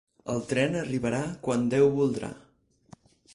El tren arribarà quan Déu voldrà!